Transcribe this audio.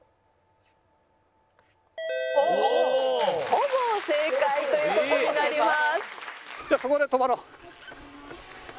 ほぼ正解という事になります。